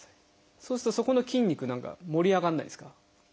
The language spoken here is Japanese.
そうするとそこの筋肉何か盛り上がらないですか？